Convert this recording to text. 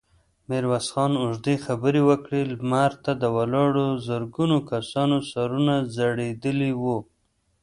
ميرويس خان اوږدې خبرې وکړې، لمر ته د ولاړو زرګونو کسانو سرونه ځړېدلي وو.